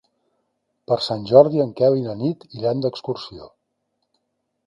Per Sant Jordi en Quel i na Nit iran d'excursió.